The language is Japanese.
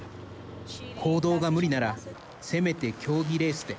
公道が無理ならせめて競技レースで。